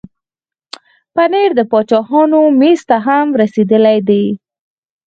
پنېر د باچاهانو مېز ته هم رسېدلی دی.